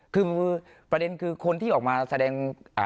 คือประเด็นคือคนที่ออกมาแสดง